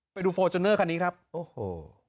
ไปดูฟอร์จูเนอร์คันนี้ครับโอ้โห